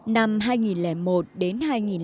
năm hai nghìn một đến hai nghìn ba